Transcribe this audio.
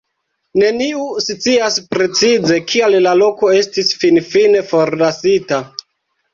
Neniu scias precize, kial la loko estis finfine forlasita.